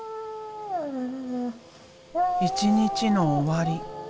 一日の終わり。